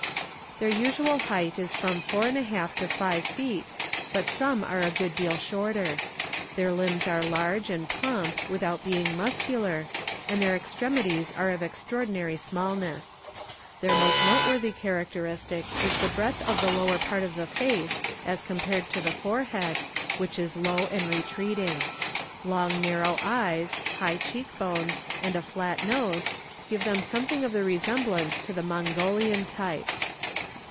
Their usual height is from four and a half to five feet, but some are a good deal shorter. Their limbs are large and plump without being muscular, and their extremities are of extraordinary smallness. Their most noteworthy characteristic is the breadth of the lower part of the face as compared to the forehead, which is low and retreating. Long narrow eyes, high cheek bones, and a flat nose, give them something of a resemblance to the Mongolian type.